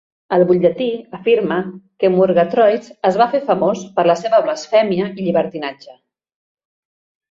El butlletí afirma que Murgatroyds es va fer famós "per la seva blasfèmia i llibertinatge".